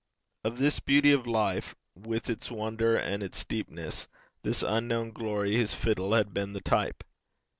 Of this beauty of life, with its wonder and its deepness, this unknown glory, his fiddle had been the type.